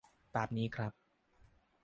ตามนี้ครับ